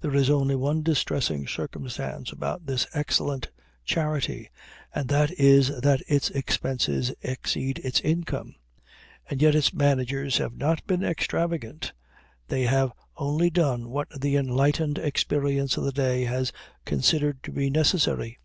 There is only one distressing circumstance about this excellent charity, and that is that its expenses exceed its income. And yet its managers have not been extravagant: they have only done what the enlightened experience of the day has considered to be necessary.